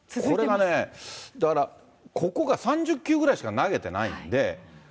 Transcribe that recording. これがね、だから、ここが３０球ぐらいしか投げてないんで。